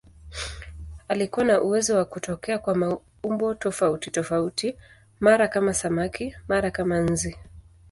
Alikuwa na uwezo wa kutokea kwa maumbo tofautitofauti, mara kama samaki, mara kama nzi.